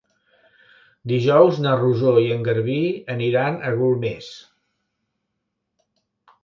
Dijous na Rosó i en Garbí aniran a Golmés.